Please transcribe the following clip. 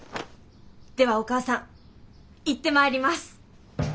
ではお母さん行ってまいります。